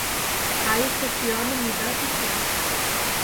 Кайыше сӱаным ида тӱкӧ, -